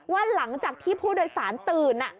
ว่าหลังจากที่ผู้โดยสารตื่น